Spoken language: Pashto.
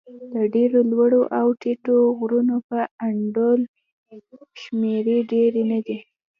د ډېرو لوړو او ټیټو غرونو په انډول شمېرې ډېرې نه دي.